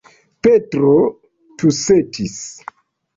Petro tusetis.